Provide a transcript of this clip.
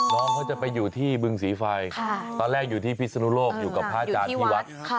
น้องเขาจะไปอยู่ที่บึงศรีไฟตอนแรกอยู่ที่พิศนุโลกอยู่กับพระอาจารย์ที่วัด